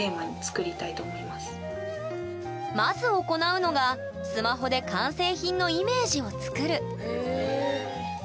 まず行うのがスマホで完成品のイメージを作るえ。